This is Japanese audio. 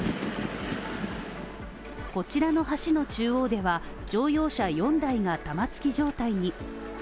こちらの橋の中央では乗用車４台が玉突き状態に。